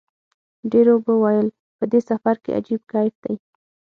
ډېرو به ویل په دې سفر کې عجیب کیف دی.